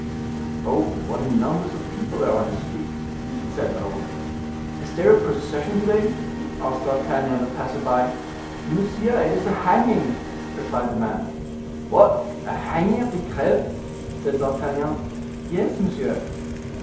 "Oh! what numbers of people there are in the street!" said Raoul. "Is there a procession to day?" asked D'Artagnan of a passer by. "Monsieur, it is a hanging," replied the man. "What! a hanging at the Greve?" said D'Artagnan. "Yes, monsieur."